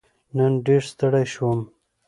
نن ډېر ستړی شوم